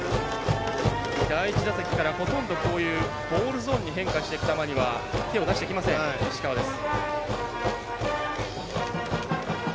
第１打席からこういうボールゾーンに変化していく球には手を出してきません、石川です。